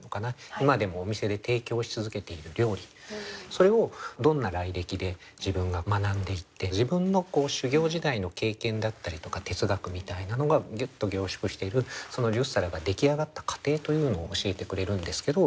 それをどんな来歴で自分が学んでいって自分の修業時代の経験だったりとか哲学みたいなのがギュッと凝縮しているその十皿が出来上がった過程というのを教えてくれるんですけど。